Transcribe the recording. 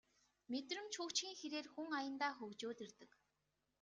Мэдрэмж хөгжихийн хэрээр хүн аяндаа хөгжөөд ирдэг